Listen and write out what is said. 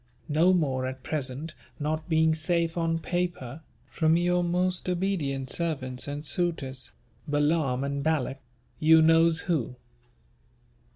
No more at present not being safe on paper, from your most obedient servants and suitors BALAAM AND BALAK you knows who.